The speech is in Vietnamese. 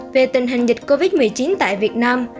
về tình hình dịch covid một mươi chín tại việt nam